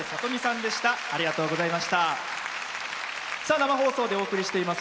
生放送でお送りしております